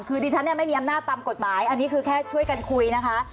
คือดิฉันเนี่ยไม่มีอำนาจตามกฎหมายอันนี้คือแค่ช่วยกันคุยนะคะ